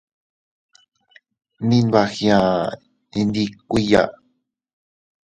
Mi nbagiaʼa iyndikuiya.